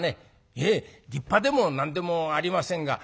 「いえ立派でも何でもありませんが。